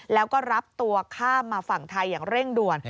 แล้วก็รับตัวข้ามมาฝั่งไทยอย่างเร่งด่วน